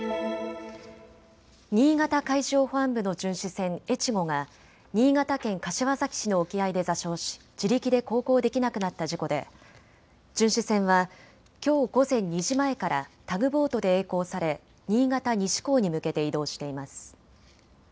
新潟海上保安部の巡視船えちごが新潟県柏崎市の沖合で座礁し自力で航行できなくなった事故で巡視船はきょう午前２時前からタグボートでえい航され新潟西港に向けて移動しています。